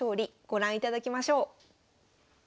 ご覧いただきましょう。